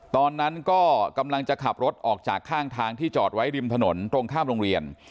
ตอนนั้นก็กำลังจะขับรถออกจากข้างทางที่จอดไว้ริมถนนตรงข้ามโรงเรียน